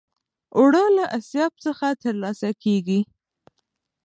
اوړه له آسیاب څخه ترلاسه کېږي